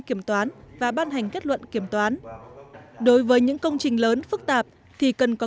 kiểm toán và ban hành kết luận kiểm toán đối với những công trình lớn phức tạp thì cần có